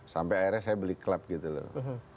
sampai akhirnya saya beli club gitu loh